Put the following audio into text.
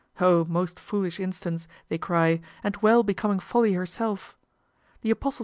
O most foolish instance, they cry, and well becoming Folly herself!